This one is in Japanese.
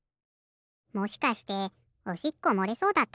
もしかしておしっこもれそうだったとか？